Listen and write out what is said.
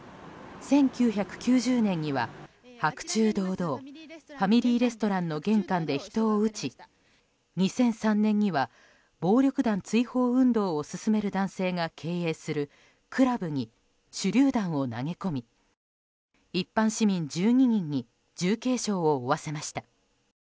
１９９０年には、白昼堂々ファミリーレストランの玄関で人を撃ち２００３年には暴力団追放運動を進める男性が経営するクラブに手りゅう弾を投げ込み一般市民１２人に重軽傷を負わせました。